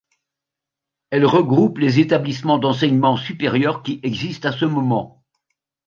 Elle regroupe les établissements d'enseignement supérieur qui existent à ce moment.